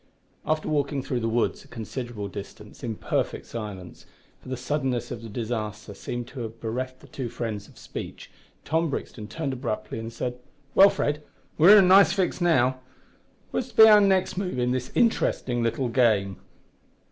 After walking through the woods a considerable distance in perfect silence for the suddenness of the disaster seemed to have bereft the two friends of speech Tom Brixton turned abruptly and said "Well, Fred, we're in a nice fix now. What is to be our next move in this interesting little game?"